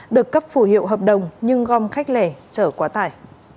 được cấp phủ hiệu hợp đồng nhưng gom khách lẻ trở quá tải